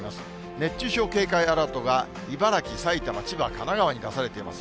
熱中症警戒アラートが茨城、埼玉、千葉、神奈川に出されています。